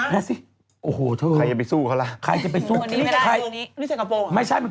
เลือกแบบเยอะหรือว่าอะไร